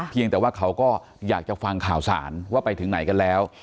เพียงแต่ว่าเขาก็อยากจะฟังข่าวสารว่าไปถึงไหนกันแล้ว